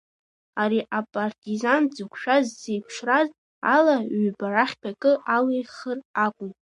Ари апартизан дзықәшәаз зеиԥшраз ала, ҩба рахьтә акы алихыр акәын.